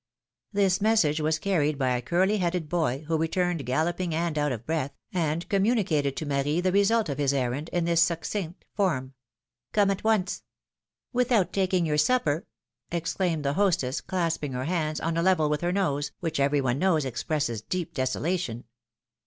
This message was carried by a curly headed boy, who returned galloping and out of breath, and communicated to Marie the result of his errand in this succinct form; PHILOM^:NE^S MARRIAGES. 269 Come at once." Without taking your supper! " exclaimed the hostess, clasping her hands, on a level with her nose, which every one knows expresses deep desolation.